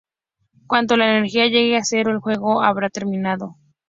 Cuando la energía llegue a cero, el juego habrá terminado.